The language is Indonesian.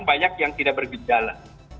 banyak yang tidak bergejala